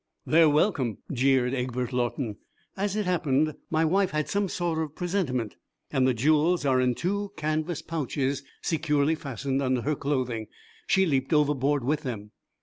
"They're welcome," jeered Egbert Lawton. "As it happened, my wife had some sort of presentiment, and the jewels are in two canvas pouches securely fastened under her clothing. She leaped overboard with them."